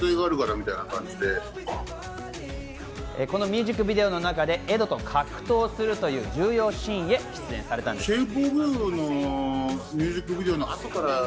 このミュージックビデオの中で、エドと格闘するという重要シーンに出演されたんです。